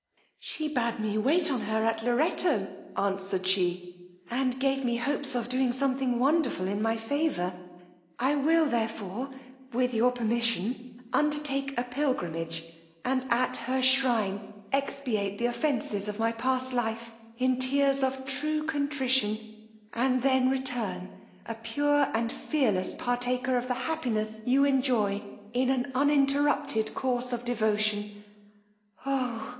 She bad me wait on her at Lorretto, answered she, and gave me hopes of doing something wonderful in my favour: I will therefore, with your permission, undertake a pilgrimage and at her shrine expiate the offences of my past life in tears of true contrition, and then return a pure and fearless partaker of the happiness you enjoy in an uninterrupted course of devotion: oh!